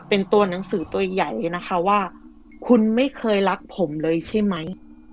เป็นตัวหนังสือตัวใหญ่นะคะว่าคุณไม่เคยรักผมเลยใช่ไหม